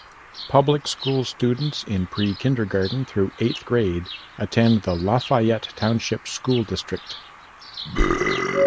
Public school students in pre-kindergarten through eighth grade attend the Lafayette Township School District.